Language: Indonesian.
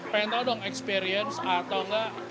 pengen tahu dong experience atau enggak